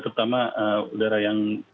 terutama udara yang